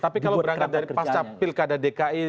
tapi kalau berangkat dari pasca pilkada dki